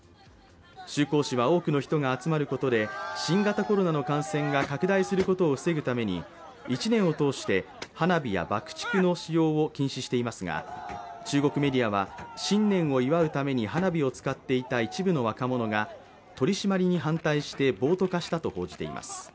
周口市は、多くの人が集まることで新型コロナの感染が拡大することを防ぐために１年を通して花火や爆竹の使用を禁止していますが中国メディアは、新年を祝うために花火を使っていた一部の若者が取り締まりに反対して暴徒化したと報じています。